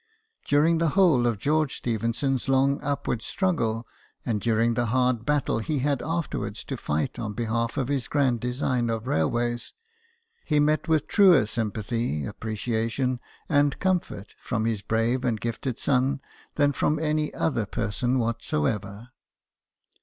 During the whole of George Stephen son's long upward struggle, and during the hard battle he had afterwards to fight on behalf of his grand design of railways, he met with truer sympathy, appreciation, and comfort from his brave and gifted son than from any other person whatsoever.